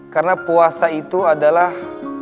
karena puasa itu adalah